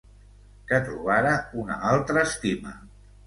Que trobara una altra estima.